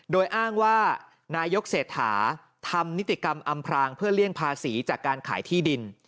โดยอ้างว่านายกเศรษฐาทำนิติกรรมอำพรางเพื่อเลี่ยงภาษีจากการขายที่ดิน